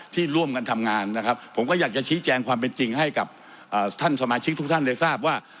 ที่ร่วมกันทำงานนะครับผมก็อยากจะชี้แจงความเป็นจริงให้กับท่านสมาชิกทุกท่านได้ทราบว่า